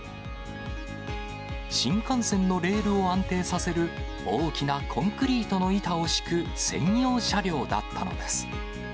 新幹線のレールを安定させる、大きなコンクリートの板を敷く専用車両だったのです。